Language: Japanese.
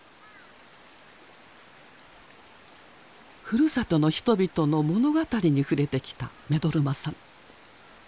ふるさとの人々の物語に触れてきた目取真さん。